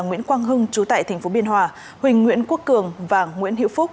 nguyễn quang hưng chú tại tp biên hòa huỳnh nguyễn quốc cường và nguyễn hữu phúc